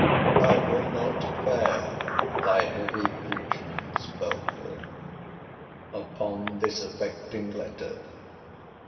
I will not bear thy heavy preachments, Belford, upon this affecting letter.